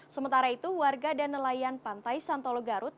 sementara itu warga dan nelayan pantai santolo garut